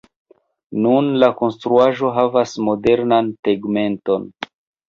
Nun la konstruaĵo havas modernan tegmenton.